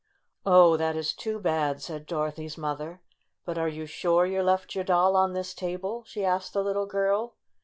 "Oh, that is too bad!" said Dorothy's mother. "But are you sure you left your doll on this table?" she asked the little girl.